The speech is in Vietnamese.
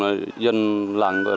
dân làm rất là phân khởi